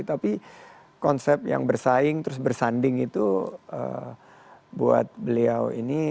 tapi konsep yang bersaing terus bersanding itu buat beliau ini